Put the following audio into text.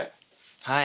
はい。